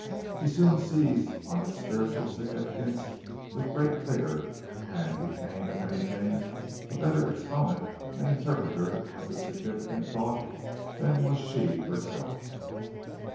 He soon seized on its spiritual significance with great vigor and became, if anything, a better exponent and interpreter of the significant thought than was she herself.